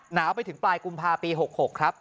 หนาวไปถึงปลายกุมภาปี๖๖ครับ